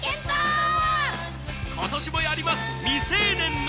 今年もやります